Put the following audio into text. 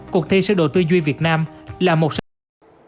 cuộc thi sơ đồ tuy duy việt nam là một sơ đồ tuy duy việt nam